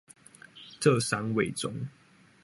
這三位中